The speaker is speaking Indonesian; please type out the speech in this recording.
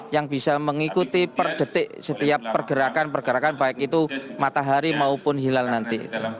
yang bisa mengikuti per detik setiap pergerakan pergerakan baik itu matahari maupun hilal nanti